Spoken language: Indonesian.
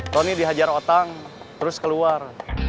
tony dihajar otak terus keluar